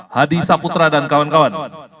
hadi saputra dan kawan kawan